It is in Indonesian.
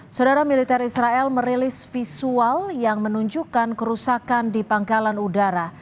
saudara militer israel merilis visual yang menunjukkan kerusakan di pangkalan udara